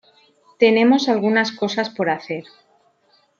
Tenemos algunas cosas por hacer.